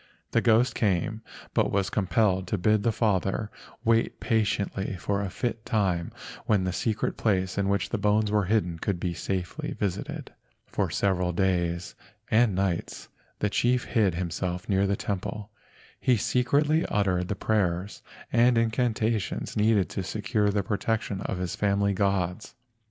The ghost came, but was com¬ pelled to bid the father wait patiently for a fit time when the secret place in which the bones were hidden could be safely visited. For several days and nights the chief hid him¬ self near the temple. He secretly uttered the prayers and incantations needed to secure the protection of his family gods.